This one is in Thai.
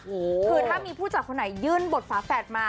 คือถ้ามีผู้จัดคนไหนยื่นบทฝาแฝดมา